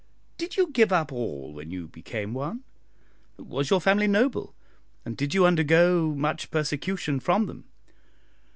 Did you give up all when you became one? Was your family noble? and did you undergo much persecution from them?"